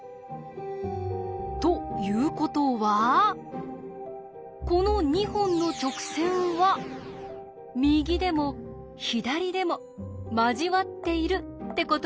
ということはこの２本の直線は右でも左でも交わっているってことになります。